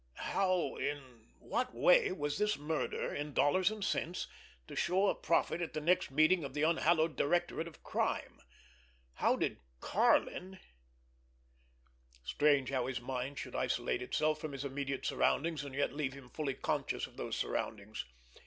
How, in what way, was this murder, in dollars and cents, to show a profit at the next meeting of that unhallowed directorate of crime? How did Karlin—— Strange how his mind should isolate itself from his immediate surroundings, and yet leave him fully conscious of those surroundings!